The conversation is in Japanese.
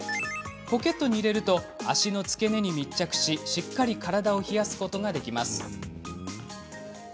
ポケットに入れると足の付け根に密着し、しっかり体を冷やすことができます。